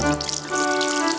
sakit banget ya